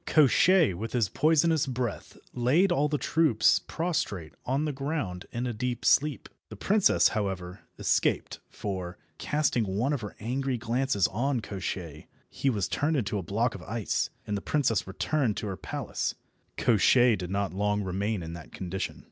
Koshchei with his poisonous breath laid all the troops prostrate on the ground in a deep sleep. The princess, however, escaped, for, casting one of her angry glances on Koshchei, he was turned into a block of ice, and the princess returned to her palace. Koshchei did not long remain in that condition.